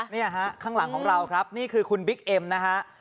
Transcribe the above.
นี่ฮะข้างหลังของเราครับนี่คือคุณบิ๊กเอ็มนะฮะ